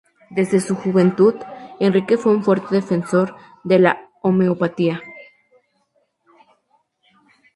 Desde su juventud, Enrique fue un fuerte defensor de la homeopatía.